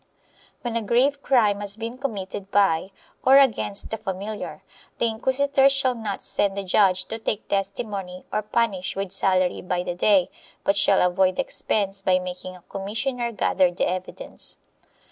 When a grave crime has been committed by or against a familiar the inquisitors shall not send a judge to take testimony or punish, with salary by the day, but shall avoid expense by making a commissioner gather the evidence.